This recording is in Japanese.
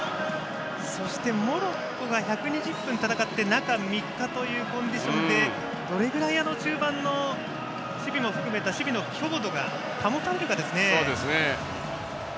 そして、モロッコが１２０分戦って中３日というコンディションでどれくらい中盤の守備も含めた守備の強度が保たれるかですね。